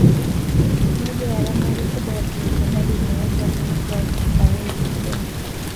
Moja ya alama yake kubwa ya kiutendaji ni uwezo wake mkubwa wa kukariri takwimu